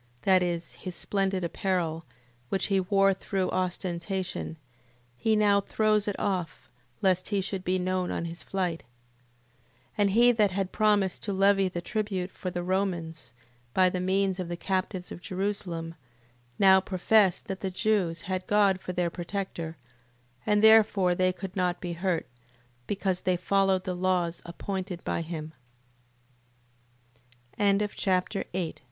That is, his splendid apparel, which he wore through ostentation; he now throws it off, lest he should be known on his flight. 8:36. And he that had promised to levy the tribute for the Romans, by the means of the captives of Jerusalem, now professed that the Jews had God for their protector, and therefore they could not be hurt, because they f